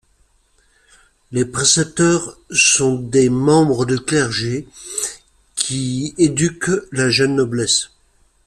Les précepteurs sont des membres du clergé qui éduquent la jeune noblesse.